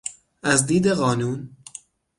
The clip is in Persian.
از دید قانون